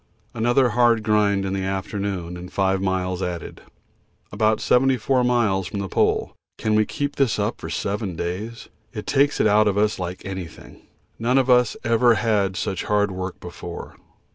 Another hard grind in the afternoon and five miles added. About 74 miles from the Pole can we keep this up for seven days? It takes it out of us like anything. None of us ever had such hard work before.